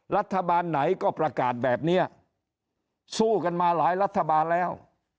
รัฐบาลไหนก็ประกาศแบบนี้สู้กันมาหลายรัฐบาลแล้ว